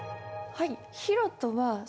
はい。